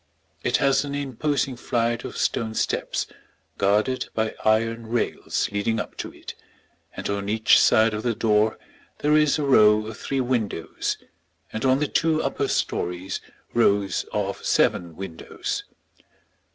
It has an imposing flight of stone steps guarded by iron rails leading up to it, and on each side of the door there is a row of three windows, and on the two upper stories rows of seven windows.